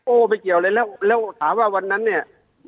โอ้ไม่เกี่ยวเลยแล้วถามว่าวันนั้นเนี่ย